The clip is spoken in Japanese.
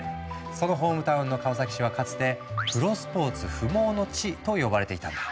そのホームタウンの川崎市はかつて「プロスポーツ不毛の地」と呼ばれていたんだ。